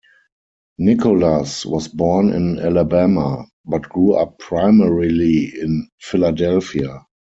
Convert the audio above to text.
Nicholas was born in Alabama, but grew up primarily in Philadelphia.